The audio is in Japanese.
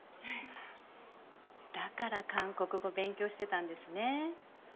だから韓国語勉強してたんですね。